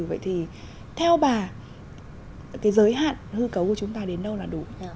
vậy thì theo bà cái giới hạn hư cấu của chúng ta đến đâu là đủ